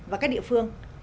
và các địa phương